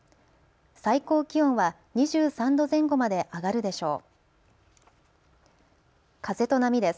最高気温は２３度前後まで上がるでしょう。